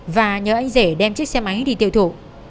và nhờ anh rể đem chiếc xe máy đi tiêu thụ